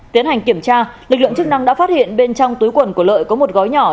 tiến hành kiểm tra lực lượng chức năng đã phát hiện bên trong túi quần của lợi có một gói nhỏ